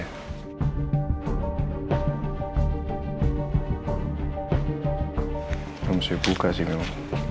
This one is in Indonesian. kamu masih buka sih memang